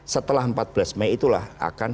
setelah empat belas mei itulah akan